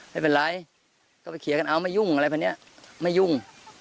ไม่เป็นไรก็ไปเคลียร์กันเอาไม่ยุ่งอะไรแบบนี้ไม่ยุ่ง